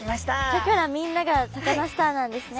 だからみんながサカナスターなんですね。